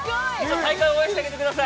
大会応援してあげてください